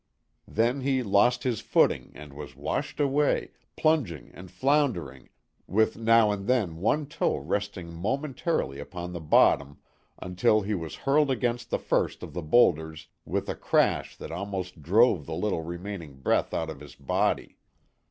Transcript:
Then he lost his footing, and was washed away, plunging and floundering, with now and then one toe resting momentarily upon the bottom, until he was hurled against the first of the boulders with a crash that almost drove the little remaining breath out of his body.